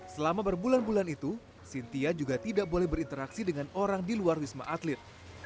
selama berbulan bulan itu sintia juga tidak boleh berinteraksi dengan orang di luar wisma atlet